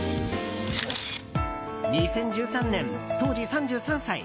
２０１３年、当時３３歳。